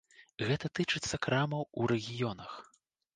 Гэта тычыцца крамаў у рэгіёнах.